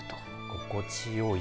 心地よい。